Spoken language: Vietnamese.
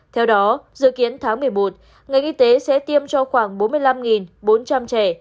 theo đó dự kiến tháng một mươi một ngành y tế sẽ tiêm cho khoảng bốn mươi năm bốn trăm linh trẻ